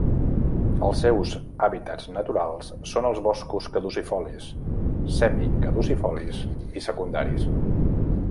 Els seus hàbitats naturals són els boscos caducifolis, semicaducifolis i secundaris.